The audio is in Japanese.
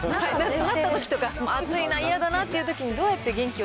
なったときとか、暑いな、嫌だなっていうときに、どうやって元気